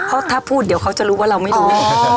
เพราะถ้าพูดเดี๋ยวเขาจะรู้ว่าเราไม่รู้